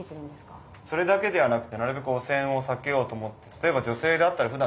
それだけではなくてなるべく汚染を避けようと思って例えば女性であったらえっ。